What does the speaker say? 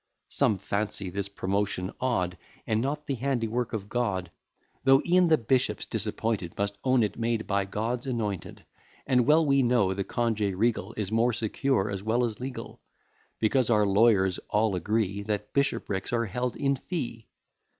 Some fancy this promotion odd, As not the handiwork of God; Though e'en the bishops disappointed Must own it made by God's anointed, And well we know, the congé regal Is more secure as well as legal; Because our lawyers all agree, That bishoprics are held in fee.